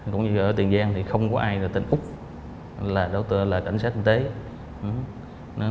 cũng như ở tiền giang thì không có ai tên úc là cảnh sát kinh tế